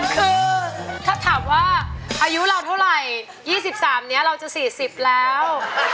คือถ้าถามว่าอายุเราเท่าไหร่ยี่สิบสามเนี้ยเราจะสี่สิบแล้ว